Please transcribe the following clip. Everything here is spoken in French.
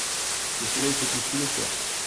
Le soleil se couche tous les soirs.